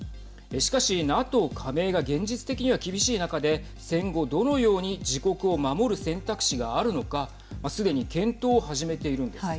しかし、ＮＡＴＯ加盟が現実的には厳しい中で戦後どのように自国を守る選択肢があるのかすでに検討を始めているんです。